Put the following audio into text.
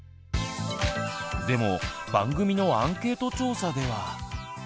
でも番組のアンケート調査では。